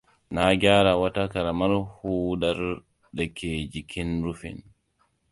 Na gyara wata ƙaramar hudar da ke jikin rufin.